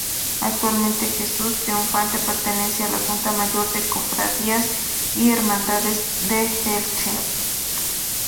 Actualmente, Jesús Triunfante pertenece a la Junta Mayor de Cofradías y Hermandades de Elche.